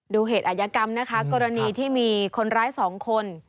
ดูเหตุอายกรรมนะคะกรณีที่มีคนร้าย๒คน